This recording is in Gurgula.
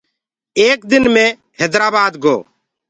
ايڪ دن مي هيدرآبآد گو۔